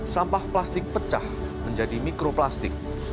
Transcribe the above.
sampah plastik pecah menjadi mikroplastik